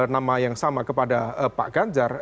nama yang sama kepada pak ganjar